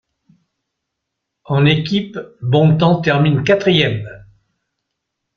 En équipe, Bontemps termine quatrième.